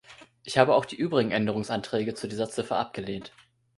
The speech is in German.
Ich habe auch die übrigen Änderungsanträge zu dieser Ziffer abgelehnt.